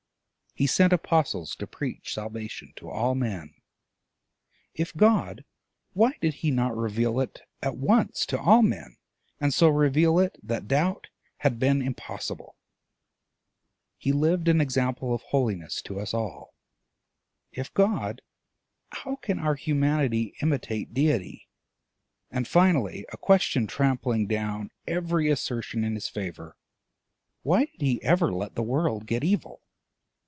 He sent apostles to preach salvation to all men: if God, why did he not reveal it at once to all men, and so reveal it that doubt had been impossible? He lived an example of holiness to us all: if God, how can our humanity imitate Deity? And finally, a question trampling down every assertion in his favor: why did he ever let the world get evil?